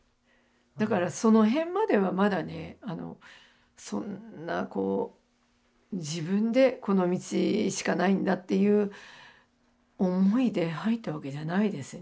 だからその辺まではまだねそんなこう自分でこの道しかないんだっていう思いで入ったわけじゃないですね。